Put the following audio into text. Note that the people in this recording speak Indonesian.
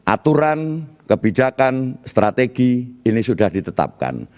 aturan kebijakan strategi ini sudah ditetapkan